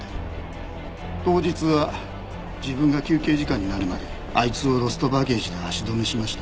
当日は自分が休憩時間になるまであいつをロストバゲージで足止めしました。